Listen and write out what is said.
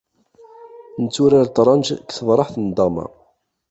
Netturar ṭṭrenǧ deg tebraḥt n damma.